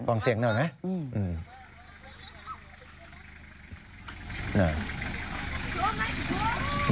ฟังเสียงหน่อยไหม